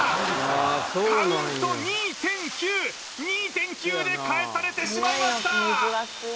カウント２．９２．９で返されてしまいました